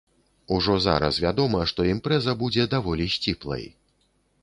Ужо зараз вядома, што імпрэза будзе даволі сціплай.